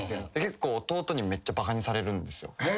弟にめっちゃバカにされるんですよ。